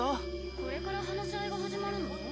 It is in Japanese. ・これから話し合いが始まるの？